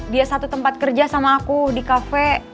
dia satu tempat kerja sama aku di kafe